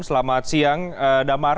selamat siang damar